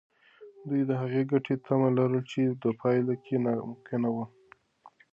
دوی د هغې ګټې تمه لرله چې په پیل کې ناممکنه وه.